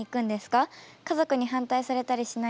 家族に反対されたりしないんですか？